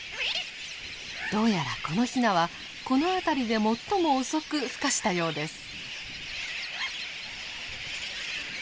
どうやらこのヒナはこの辺りで最も遅くふ化したようです。